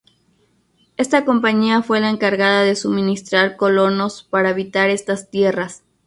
Esta compañía fue la encargada de suministrar colonos para habitar estas tierras.